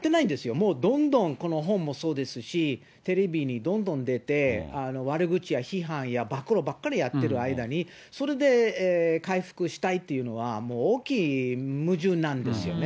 もうどんどん、この本もそうですし、テレビにどんどん出て、悪口や批判や暴露ばっかりやってる間に、それで回復したいっていうのは、もう大きい矛盾なんですよね。